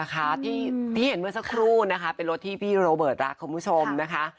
ที่เห็นเมื่อสักครู่นะคะเป็นรถที่พี่โรเบิร์ตรักคุณผู้ชมนะคะ